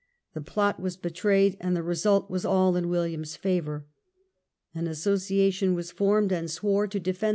The plot was betrayed, and the result was all in William's favour. An association was formed, and swore to defend no PEACE OF RYSWICK.